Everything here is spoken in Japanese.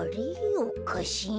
おかしいな。